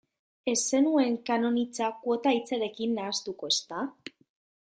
Ez zenuen kanon hitza kuota hitzarekin nahastuko, ezta?